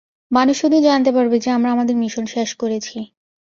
মানুষ শুধু জানতে পারবে যে আমরা আমাদের মিশন শেষ করেছি।